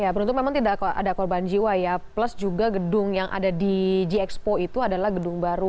beruntung memang tidak ada korban jiwa ya plus juga gedung yang ada di gxpo itu adalah gedung baru